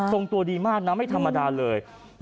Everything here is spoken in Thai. ทรงตัวดีมากนะไม่ธรรมดาเลย